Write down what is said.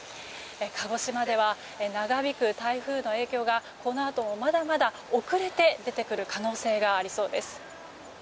鹿児島では長引く台風の影響がこのあともまだまだ遅れて出てくる可能性がありそうです。